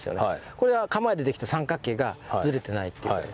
これは構えでできた三角形がずれてないっていう。